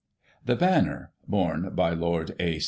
[1839 The Banner, Bome by Lord A.